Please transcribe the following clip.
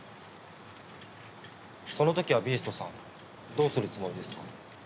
そのときはビーストさんどうするつもりですか？